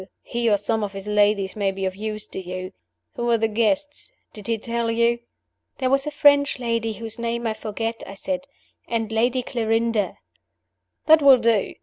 He or some of his ladies may be of use to you. Who are the guests? Did he tell you?" "There was a French lady whose name I forget," I said, "and Lady Clarinda " "That will do!